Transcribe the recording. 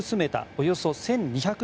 およそ１２００